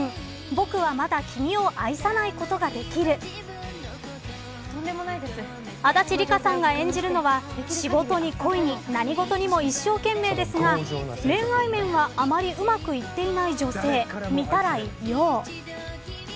僕はまだ君を愛さないことができる足立梨花さんが演じるのは仕事に恋に何事にも一生懸命ですが恋愛面はあまりうまくいっていない女性御手洗陽。